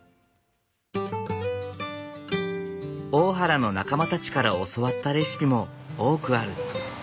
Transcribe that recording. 大原の仲間たちから教わったレシピも多くある。